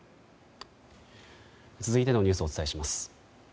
続いてのニュースをお伝えします。